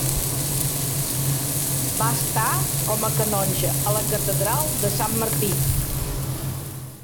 Va estar com canonge a la catedral de Sant Martí.